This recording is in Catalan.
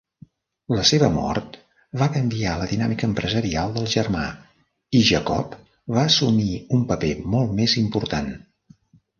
La seva mort va canviar la dinàmica empresarial del germà i Jacob va assumir un paper molt més important.